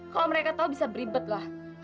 kalo mereka tau bisa beribet lah